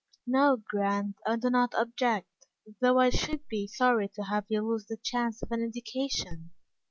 "No, Grant, I don't object, though I should be sorry to have you lose the chance of an education."